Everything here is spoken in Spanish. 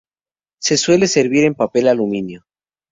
Se suele servir en papel de aluminio.